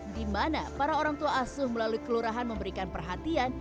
dimana para orangtua asuh melalui kelurahan memberikan perhatian